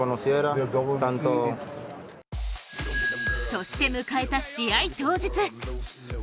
そして迎えた試合当日。